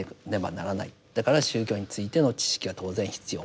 だから宗教についての知識は当然必要。